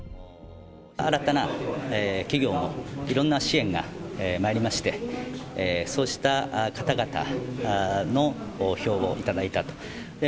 新たな企業のいろんな支援がまいりまして、そうした方々の票を頂いたと。